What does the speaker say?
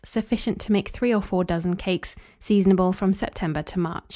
Sufficient to make 3 or 4 dozen cakes. Seasonable from September to March.